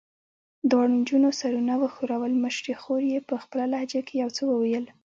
دواړو نجونو سرونه وښورول، مشرې خور یې په خپله لهجه کې یو څه وویل.